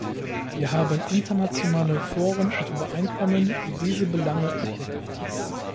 Wir haben internationale Foren und Übereinkommen, die diese Belange abdecken.